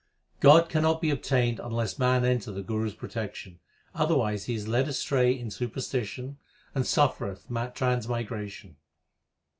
God cannot be obtained unless man enter the Guru s protection ; Otherwise he is led astray in superstition and suffereth transmigration.